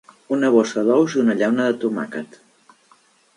Una bossa d'ous i una llauna de tomàquet.